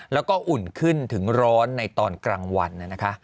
แล้วก็อุ่นขึ้นถึงร้อนในตอนกลางวันนะคะ